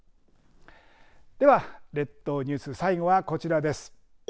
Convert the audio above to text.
では列島ニュース最後はこちらです。